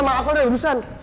mak aku ada urusan